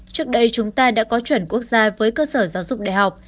trước đây chúng ta đã có chuẩn quốc gia với cơ sở giáo dục đại học